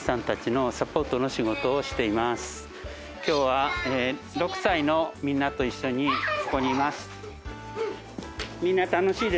今日は６歳のみんなと一緒にここにいます。